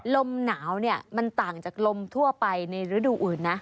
ลมหนาวเนี่ยมันต่างจากลมทั่วไปในฤดูอื่นนะ